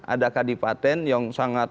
ada kadipaten yang sangat